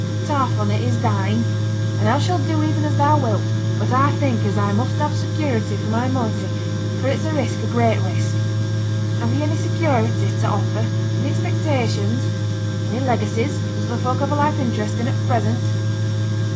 t' half on it is thine, and thou shall do even as thou wilt. But I think as I must have security for my moiety, for it's a risk a great risk. Have ye any security to offer? any expectations? any legacies, as other folk have a life interest in at present?'